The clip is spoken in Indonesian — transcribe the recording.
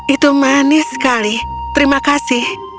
itu manis sekali terima kasih